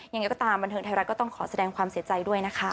ยังไงก็ตามบันเทิงไทยรัฐก็ต้องขอแสดงความเสียใจด้วยนะคะ